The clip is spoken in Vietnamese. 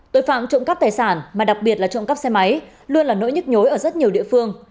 tội phạm trộm cắp tài sản mà đặc biệt là trộm cắp xe máy luôn là nỗi nhức nhối ở rất nhiều địa phương